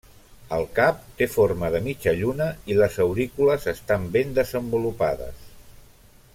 El cap té forma de mitja lluna i les aurícules estan ben desenvolupades.